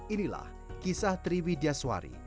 inilah kisah triwi diaswari